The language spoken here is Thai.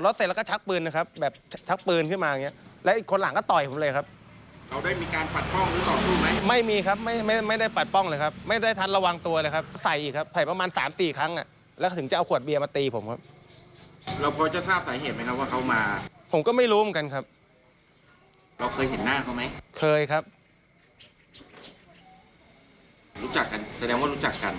รู้จักกันแสดงว่ารู้จักกัน